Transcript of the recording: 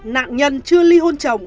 nạn nhân chưa ly hôn chồng